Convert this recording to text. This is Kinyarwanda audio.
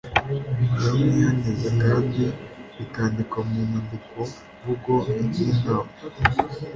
aramwihaniza kandi bikandikwa mu nyandikomvugo y inama